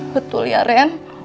betul ya ren